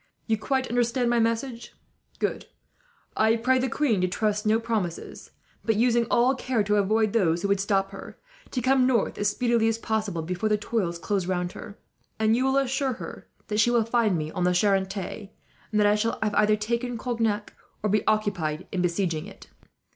"You quite understand my message. I pray the queen to trust to no promises but, using all care to avoid those who would stop her, to come north as speedily as possible, before the toils close round her; and you will assure her that she will find me on the Charente, and that I shall have either taken Cognac, or be occupied in besieging it."